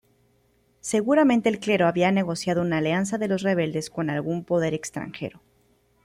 Seguramente el clero había negociado una alianza de los rebeldes con algún poder extranjero.